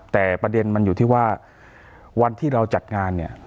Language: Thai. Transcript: แต่ประเด็นมันอยู่ที่ว่าวันที่เราจัดงานเนี่ย